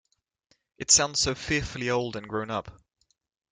It sounds so fearfully old and grown up.